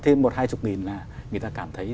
thêm một hai mươi nghìn là người ta cảm thấy